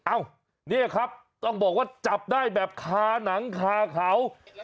อ้าวนี่ครับต้องบอกว่าจับได้แบบคาหนังคาเขา